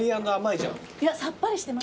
いやさっぱりしてます。